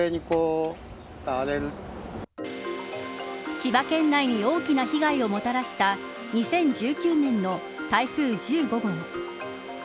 千葉県内に大きな被害をもたらした２０１９年の台風１５号。